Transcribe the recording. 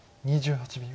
２８秒。